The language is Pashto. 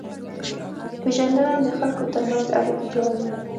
پېژندنه د خلکو ترمنځ اړیکې جوړوي.